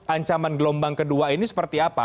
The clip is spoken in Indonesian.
ancaman gelombang kedua ini seperti apa